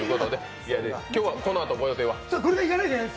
今日は、このあとご予定は？